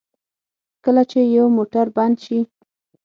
کله چې یو موټر بند شي.